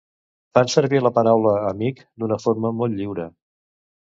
Fan servir la paraula 'amic' d'una forma molt lliure.